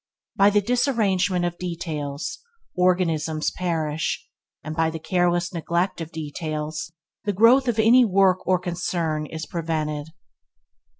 By the disarrangement of details, organisms perish, and by the careless neglect of details, the growth of any work or concern is prevented.